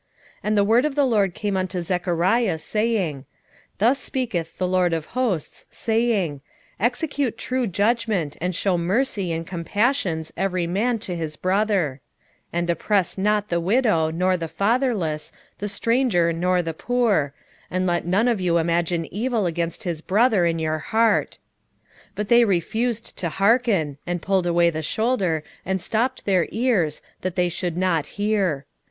7:8 And the word of the LORD came unto Zechariah, saying, 7:9 Thus speaketh the LORD of hosts, saying, Execute true judgment, and shew mercy and compassions every man to his brother: 7:10 And oppress not the widow, nor the fatherless, the stranger, nor the poor; and let none of you imagine evil against his brother in your heart. 7:11 But they refused to hearken, and pulled away the shoulder, and stopped their ears, that they should not hear.